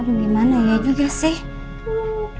gimana ya juga sih